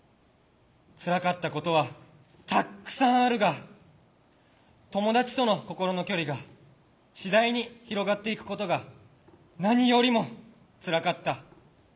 つらかったことはたくさんあるが友達との心の距離がしだいに広がっていくことが何よりもつらかった。